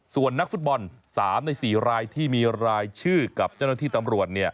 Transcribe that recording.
ส่วนนักฟุตบอล๓ใน๔รายที่มีรายชื่อกับเจ้าหน้าที่ตำรวจ